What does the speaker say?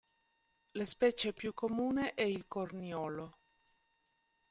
La specie più comune è il corniolo.